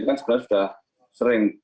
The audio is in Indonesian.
kan sebenarnya sudah sering